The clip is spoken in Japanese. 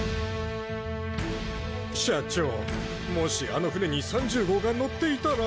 社長もしあの船に３０号が乗っていたら。